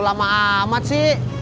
lu lama amat sih